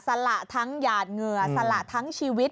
สละทั้งหยาดเหงื่อสละทั้งชีวิต